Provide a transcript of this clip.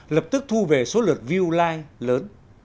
lập tức thu về số lượt view like lớn